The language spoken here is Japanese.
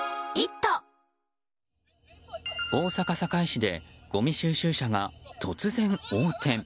大阪・堺市でごみ収集車が突然、横転。